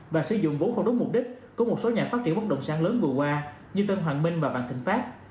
và sử dụng vốn không đúng mục đích của một số nhà phát triển bất động sản lớn vừa qua như tân hoàng minh và vạn thịnh pháp